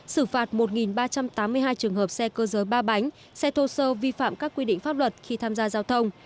xử phạt một ba trăm tám mươi hai trường hợp xe cơ giới ba bánh xe thô sơ vi phạm các quy định pháp luật khi tham gia giao thông